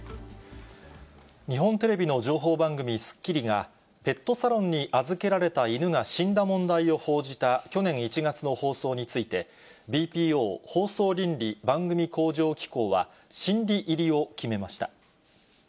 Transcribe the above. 日本テレビの情報番組、スッキリが、ペットサロンに預けられた犬が死んだ問題を報じた去年１月の放送について、ＢＰＯ放送倫理・番組向上機構は、審理入りを決めました。